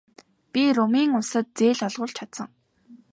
Би Румын улсад зээл олгуулж чадсан.